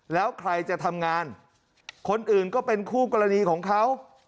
แล้วใครจะทำงานคนอื่นก็เป็นคู่กรณีของเขา